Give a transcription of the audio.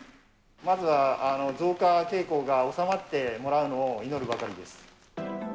まずは増加傾向が収まってもらうのを祈るばかりです。